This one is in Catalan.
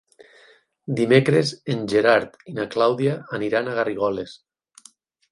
Dimecres en Gerard i na Clàudia aniran a Garrigoles.